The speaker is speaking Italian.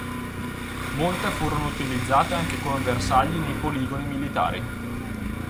Molte furono utilizzate anche come bersagli nei poligoni militari.